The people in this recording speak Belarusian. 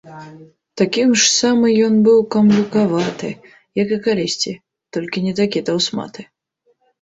Такі ж самы ён быў камлюкаваты, як і калісьці, толькі не такі таўсматы.